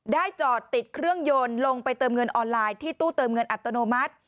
จอดติดเครื่องยนต์ลงไปเติมเงินออนไลน์ที่ตู้เติมเงินอัตโนมัติ